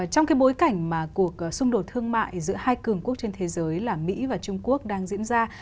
trong cái bối cảnh mà cuộc xung đột thương mại giữa hai cường quốc trên thế giới là mỹ và trung quốc đang diễn ra